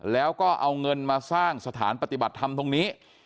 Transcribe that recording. แล้วก็เอาเงินมาสร้างสถานปฏิบัติธรรมตรงนี้